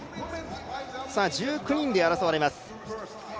１９人で争われます。